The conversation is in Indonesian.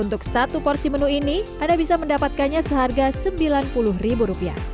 untuk satu porsi menu ini anda bisa mendapatkannya seharga rp sembilan puluh